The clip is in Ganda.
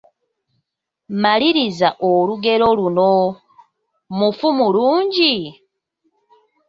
Maliriza olugero luno, Mufu mulungi …